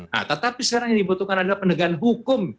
nah tetapi sekarang yang dibutuhkan adalah penegakan hukum